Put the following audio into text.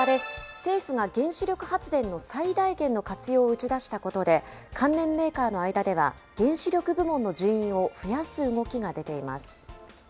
政府が原子力発電の最大限の活用を打ち出したことで、関連メーカーの間では、原子力部門の人員を増やす動きが出ています。